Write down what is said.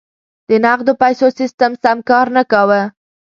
د نغدو پیسو سیستم سم کار نه کاوه.